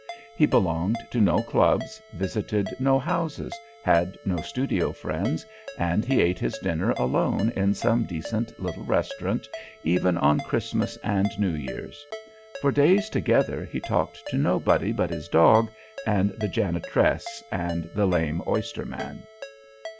He belonged to no clubs, visited no houses, had no studio friends, and he ate his dinner alone in some decent little restaurant, even on Christmas and New Year's. For days together he talked to nobody but his dog and the janitress and the lame oysterman.